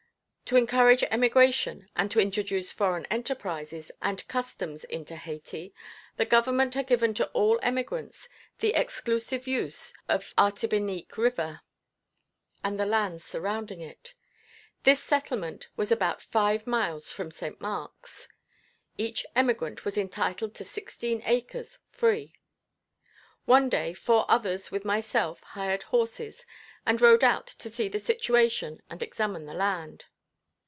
To encourage emigration, and to introduce foreign enterprises and customs into Hayti, the government had given to all emigrants the exclusive use of Artibinique River, and the lands surrounding it. This settlement was about five miles from St. Marks. Each emigrant was entitled to sixteen acres free. One day four others with myself hired horses, and rode out to see the situation and examine the land.